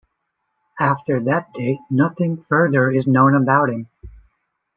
After that date, nothing further is known about him.